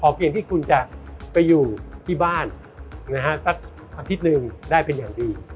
เพียงที่คุณจะไปอยู่ที่บ้านสักอาทิตย์หนึ่งได้เป็นอย่างดี